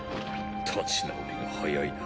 立ち直りが早いな。